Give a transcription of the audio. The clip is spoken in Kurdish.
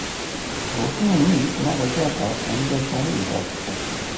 Gotinên wî, di nava gel de tengezariyê derdixe